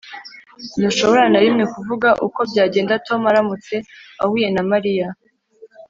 Ntushobora na rimwe kuvuga uko byagenda Tom aramutse ahuye na Mariya